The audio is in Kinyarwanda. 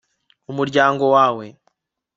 umuryango umwe